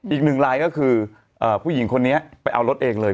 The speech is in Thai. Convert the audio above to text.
อีกหนึ่งลายก็คือผู้หญิงคนนี้ไปเอารถเองเลย